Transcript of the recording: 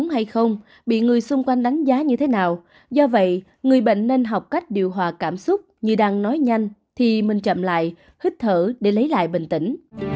hãy đăng ký kênh để lấy lại bình tĩnh